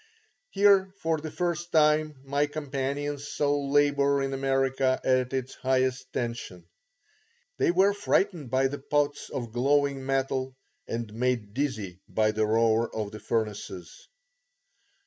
Here for the first time my companions saw labour in America at its highest tension. They were frightened by the pots of glowing metal and made dizzy by the roar of the furnaces.